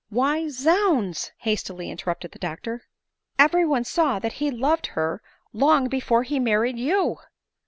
" Why, Zounds ["hastily interrupted the doctor, * eve ry one saw that he loved her long before he mSrried you."